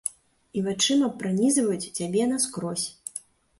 І вачыма пранізваюць цябе наскрозь.